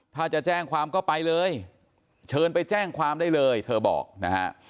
ถ้าจะแจ้งความก็ไปเลยเชิญไปแจ้งความได้เลยเธอบอกนะฮะ